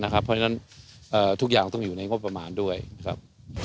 เพราะฉะนั้นทุกอย่างต้องอยู่ในงบประมาณด้วยครับ